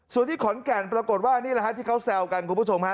ส่วนที่ขอนแก่นปรากฏว่านี่แหละฮะที่เขาแซวกันคุณผู้ชมฮะ